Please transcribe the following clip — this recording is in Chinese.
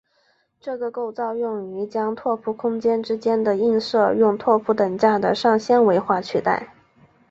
这个构造用于将拓扑空间之间的映射用拓扑等价的上纤维化取代。